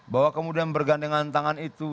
bahwa kemudian bergandengan tangan itu